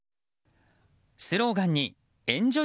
スローガンにエンジョイ